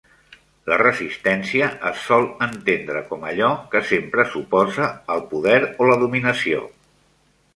La resistència es sol entendre com allò que sempre s"oposa al poder o la dominació.